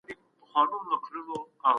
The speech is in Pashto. سياسي ګډون بايد ډېر پراخ او ټول شموله وي.